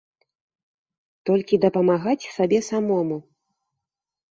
Толькі дапамагаць сабе самому.